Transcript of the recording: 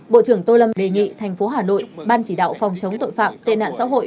bộ trưởng tô lâm đề nghị thành phố hà nội ban chỉ đạo phòng chống tội phạm tệ nạn xã hội